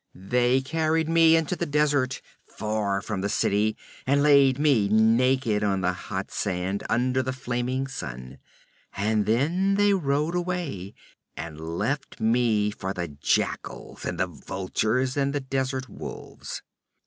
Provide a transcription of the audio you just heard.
'They carried me into the desert far from the city, and laid me naked on the hot sand, under the flaming sun. And then they rode away and left me for the jackals and the vultures and the desert wolves.